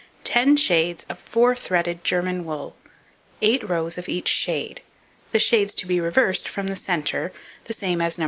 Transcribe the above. Ten shades of four threaded German wool, 8 rows of each shade, the shades to be reversed from the centre the same as No.